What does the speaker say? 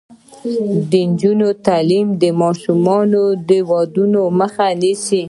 د نجونو تعلیم د ماشوم ودونو مخه نیسي.